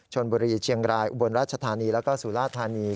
ชนบุรีเชียงรายอุบลราชธานีแล้วก็สุราธานี